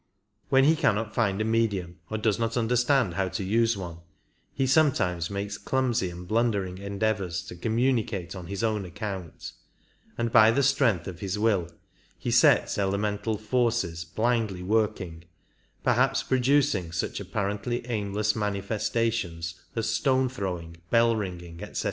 When he cannot find a medium or does not understand how to use one he sometimes makes clumsy and blundering endeavours to communicate on his own account, and by the strength of his will he sets elemental forces blindly working, perhaps producing such apparently aimless manifestations as stone throwing, bell ringing, etc.